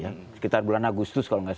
maka agak agak kurang cepat untuk menangani ini